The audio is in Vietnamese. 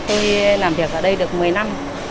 tôi làm việc ở đây được một mươi năm